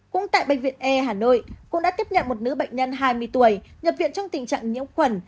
cũng tại bệnh viện e hà nội cũng đã tiếp nhận một nữ bệnh nhân hai mươi tuổi nhập viện trong tình trạng nhiễm khuẩn